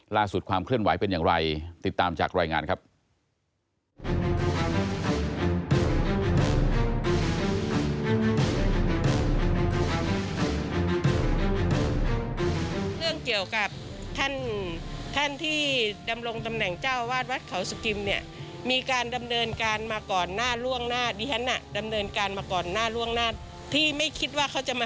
ความเคลื่อนไหวเป็นอย่างไรติดตามจากรายงานครับ